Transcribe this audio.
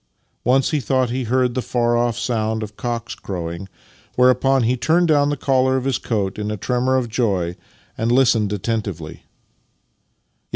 Once he thought he heard the far off sound of cocks crowing, whereupon he turned down the collar of his coat m a tremor of joy and listened attentively; yet.